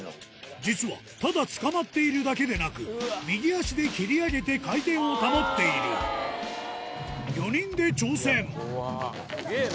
実はただつかまっているだけでなく右足で蹴り上げて回転を保っている４人で挑戦スゲェな！